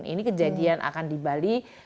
ini kejadian akan di bali